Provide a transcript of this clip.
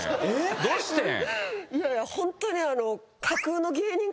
どうしてん？